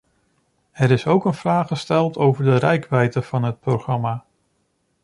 Er is ook een vraag gesteld over de reikwijdte van het programma.